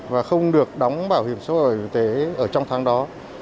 và không được đóng bảo hiểm số bảo hiểm y tế ở trong tháng đó